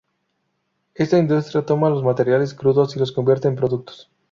Esta industria toma los materiales crudos y los convierte en productos.